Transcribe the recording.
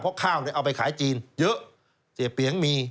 เพราะข้าวเนี่ยเอาไปขายจีนเยอะเสียเปียงมี